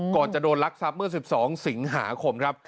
ก่อนจะโดนลักษณ์ซัมเมอร์๑๒สิงหาคมครับ